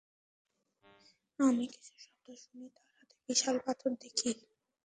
আমি কিছু শব্দ শুনি, তার হাতে বিশাল পাথর দেখি।